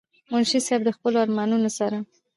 منشي صېب د خپلو ارمانونو سره